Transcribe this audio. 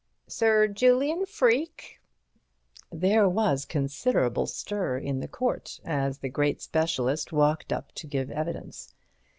"Sir Julian Freke." There was considerable stir in the court as the great specialist walked up to give evidence.